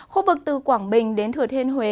khu vực từ quảng bình đến thừa thiên huế